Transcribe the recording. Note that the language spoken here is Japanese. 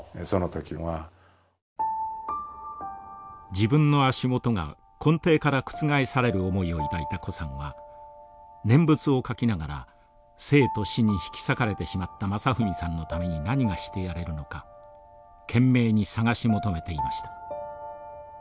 自分の足元が根底から覆される思いを抱いた高さんは念仏を書きながら生と死に引き裂かれてしまった真史さんのために何がしてやれるのか懸命に探し求めていました。